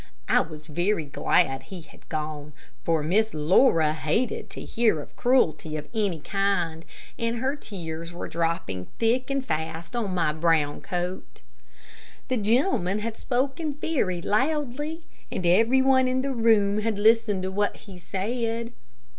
I was very glad he had gone, for Miss Laura hated to hear of cruelty of any kind, and her tears were dropping thick and fast on my brown coat. The gentleman had spoken very loudly, and every one in the room had listened to what he said.